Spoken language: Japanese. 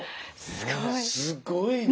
すごいな。